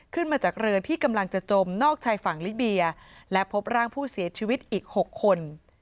ขึ้นมาจากเรือที่กำลังจะจมนอกชายฝั่งลิเบียและพบร่างผู้เสียชีวิตอีก๖คน